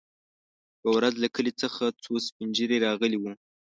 يوه ورځ له کلي څخه څو سپين ږيري راغلي وو.